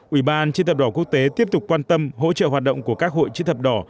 ủy ban chế thập đỏ quốc tế tiếp tục quan tâm hỗ trợ hoạt động của các hội chữ thập đỏ